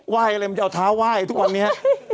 ไหว่อะไรเค้าจะเอาเท้าไหว่ทุกวันนี้